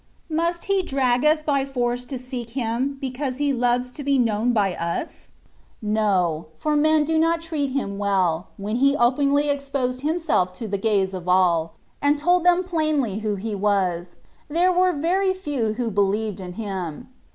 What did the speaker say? Must He drag us by force to seek Him, because He loves to be known by us ? No, for men did not treat Him well, when He openly exposed Himself to the gaze of all, and told them plainly who He was: there were very few who believed in Him.